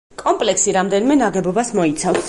კომპლექსი რამდენიმე ნაგებობას მოიცავს.